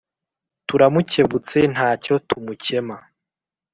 turamukebutse ntacyo tumukema